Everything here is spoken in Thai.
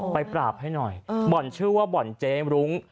ปราบให้หน่อยบ่อนชื่อว่าบ่อนเจ๊มรุ้ง